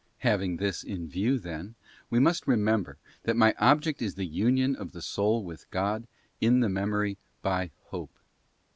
Having this in view, then, we must remember, that my object is the Union of the soul with God in the Memory by Hope.